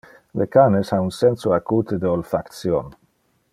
Le canes ha un senso acute de olfaction.